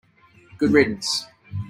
Good riddance